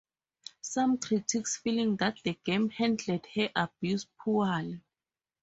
Some critics feeling that the game handled her abuse poorly.